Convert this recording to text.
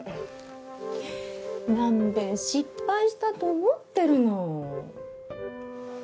何べん失敗したと思ってるの？